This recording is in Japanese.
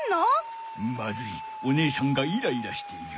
まずいおねえさんがイライラしている。